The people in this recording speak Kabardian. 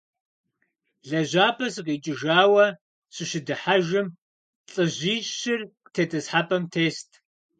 ЛэжьапӀэ сыкъикӀыжауэ сыщыдыхьэжым, лӏыжьищыр тетӀысхьэпӀэм тест.